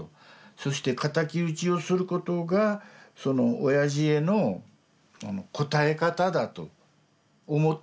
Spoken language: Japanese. そして仇討ちをすることがおやじへの応え方だと思っていたんですよ。